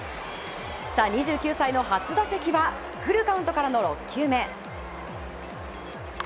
２９歳の初打席はフルカウントからの６球目。